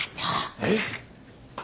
えっ？